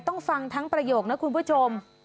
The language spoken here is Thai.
ฟังทั้งประโยคนะคุณผู้ชม